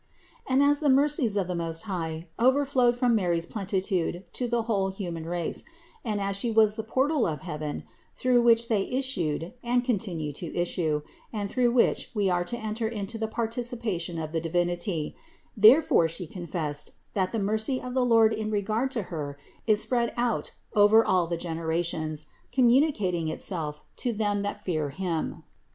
223. And as the mercies of the Most High over flowed from Mary's plenitude to the whole human race, and as She was the portal of heaven, through which they issued and continue to issue, and through which we are to enter into the participation of the Divinity; therefore She confessed, that the mercy of the Lord in regard to Her is spread out over all the generations, communi cating itself to them that fear Him.